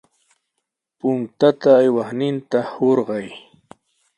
Puntata ayaqninta hurqay.